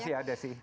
masih ada sih